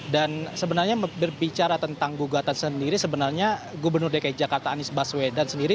dan sebenarnya berbicara tentang gugatan sendiri sebenarnya gubernur dki jakarta anies baswedan sendiri